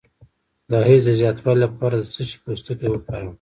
د حیض د زیاتوالي لپاره د څه شي پوستکی وکاروم؟